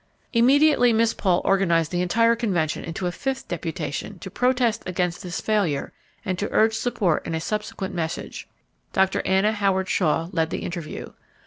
Immediately Miss Paul organized the entire convention into a fifth deputation to protest against this failure and to urge support in a subsequent message. Dr. Anna Howard Shaw led the interview.